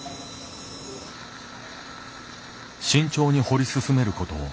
慎重に掘り進めること４０分。